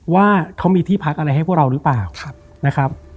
ว่าเขามีที่พักอะไรให้พวกเราหรือเปล่านะครับ